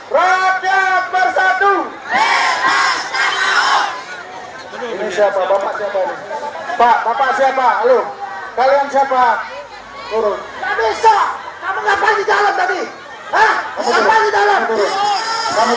rakyat bersatu bebas tak maut